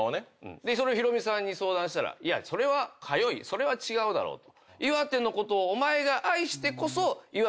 それをヒロミさんに相談したら「通い？それは違うだろう」と。